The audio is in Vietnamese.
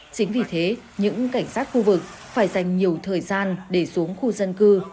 chính vì thế những cảnh sát khu vực phải dành nhiều thời gian để xuống khu dân cư